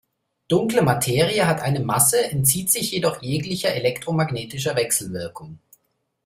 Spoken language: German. Dunkle Materie hat eine Masse, entzieht sich jedoch jeglicher elektromagnetischer Wechselwirkung.